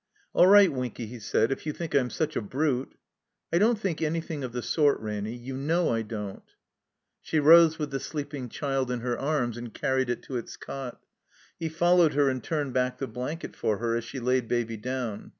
"All right, Winky," he said. "If you think I'm such a brute." "I don't think anything of the sort, Ranny. You know I don't." She rose with the sleeping child in her arms and carried it to its cot. He followed her and turned back the blanket for her as she laid Baby down.